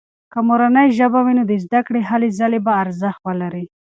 که مورنۍ ژبه وي، نو د زده کړې هلې ځلې به ارزښت ولري.